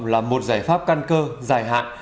là một giải pháp căn cơ giải hạn